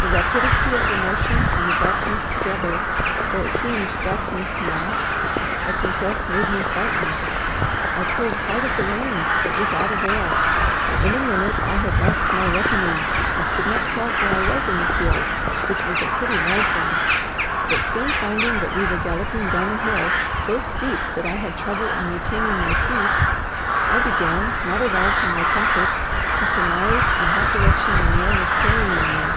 The rapidity of the motion and the darkness together for it seemed darkness now I confess made me frightened. I pulled hard at the reins, but without avail. In a minute I had lost my reckoning, and could not tell where I was in the field, which was a pretty large one; but soon finding that we were galloping down a hill so steep that I had trouble in retaining my seat, I began, not at all to my comfort, to surmise in what direction the mare was carrying me.